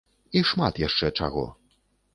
І шмат яшчэ чаго.